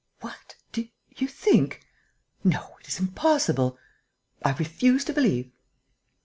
"What!... Do you think?... No, it is impossible.... I refuse to believe...."